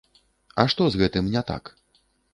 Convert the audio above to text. А што з гэтым не так?